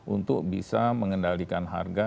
untuk bisa mengendalikan harga